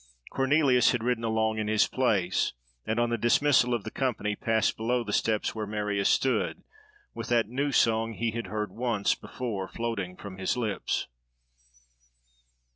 Cornelius had ridden along in his place, and, on the dismissal of the company, passed below the steps where Marius stood, with that new song he had heard once before floating from his lips.